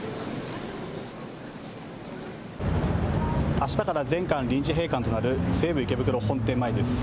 あしたから全館臨時閉館となる西武池袋本店前です。